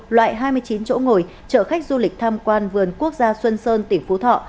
loại hai mươi chín chỗ ngồi chở khách du lịch tham quan vườn quốc gia xuân sơn tỉnh phú thọ